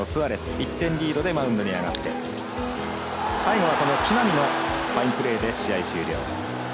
１点リードでマウンドに上がって最後は木浪のファインプレーで試合終了。